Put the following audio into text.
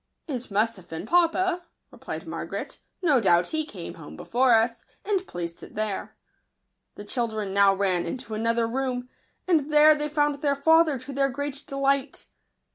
M " It must have been papa," replied Mar garet; " no doubt he came home before us, and placed it there." The children now ran into an other room ; and there they found their father, to their great delight.